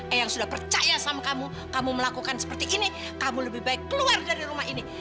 eyang sudah percaya sama kamu kamu melakukan seperti ini kamu lebih baik keluar dari rumah ini